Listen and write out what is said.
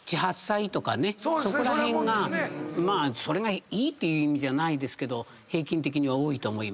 そこら辺がそれがいいっていう意味じゃないですけど平均的には多いと思います。